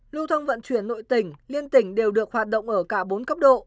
lưu thông vận chuyển nội tỉnh liên tỉnh đều được hoạt động ở cả bốn cấp độ